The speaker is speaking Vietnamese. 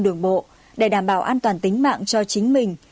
các quy định về giao thông đường bộ để đảm bảo an toàn tính mạng cho chính mình